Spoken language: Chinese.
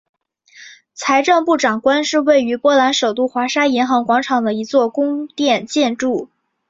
财政部长宫是位于波兰首都华沙银行广场的一座宫殿建筑。